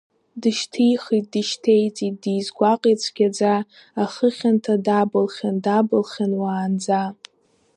Дышьҭихит, дышьҭеиҵеит, дизгәаҟит цәгьаӡа, ахы хьанҭа дабылхьан, дабылхьан уаанӡа…